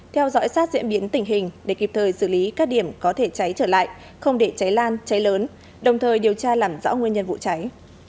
theo dõi sát diễn biến tình hình để kịp thời xử lý các điểm có thể cháy trở lại không để cháy lan cháy lớn đồng thời điều tra làm rõ nguyên nhân vụ cháy